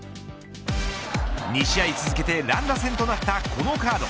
２試合続けて乱打戦となったこのカード。